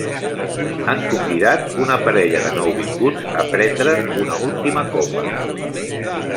Han convidat una parella de nouvinguts a prendre una última copa.